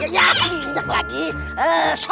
hai wincoklah jidjic